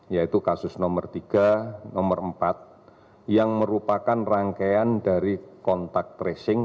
yaitu kasus nomor tiga nomor empat yang merupakan rangkaian dari kontak tracing